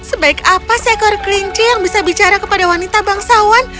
sebaik apa seekor kelinci yang bisa bicara kepada wanita bangsawan